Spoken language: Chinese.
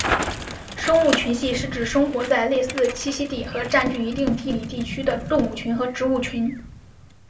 生物群系是指生活在类似栖息地和占据一定地理地区的动物群和植物群。